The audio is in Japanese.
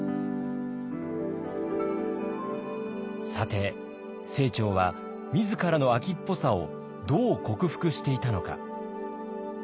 さて清張は自らの飽きっぽさをどう克服していたのか。